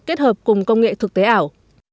kết hợp cùng công nghệ thực tế ảo